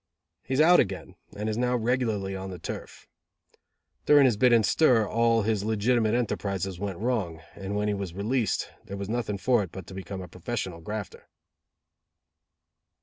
He is out again, and is now regularly on the turf. During his bit in stir all his legitimate enterprizes went wrong, and when he was released, there was nothing for it but to become a professional grafter.